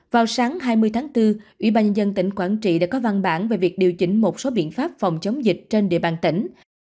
vào sáng hai mươi tháng bốn ủy ban nhân dân tỉnh quảng trị đã có văn bản về việc điều chỉnh một số biện pháp phòng chống dịch trên địa bàn tỉnh